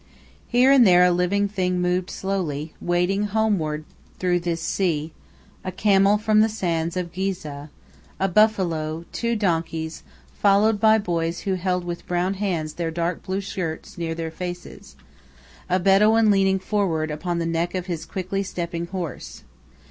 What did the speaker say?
Here and there a living thing moved slowly, wading homeward through this sea: a camel from the sands of Ghizeh, a buffalo, two donkeys, followed by boys who held with brown hands their dark blue skirts near their faces, a Bedouin leaning forward upon the neck of his quickly stepping horse.